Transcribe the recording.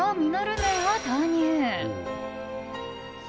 麺を投入。